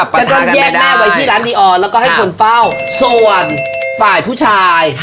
จะต้องแยกแม่ไว้ที่ร้านดีออนแล้วก็ให้คนเฝ้าส่วนฝ่ายผู้ชาย